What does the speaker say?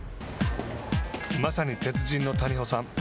まさに鉄人の谷保さん。